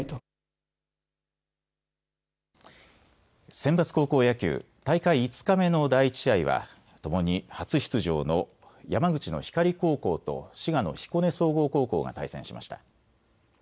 センバツ高校野球、大会５日目の第１試合はともに初出場の山口の光高校と滋賀の彦根総合高校が対戦しました。